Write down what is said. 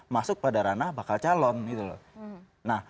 masuk pada ranah bakal calon nah